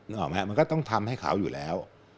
ออกไหมมันก็ต้องทำให้เขาอยู่แล้ว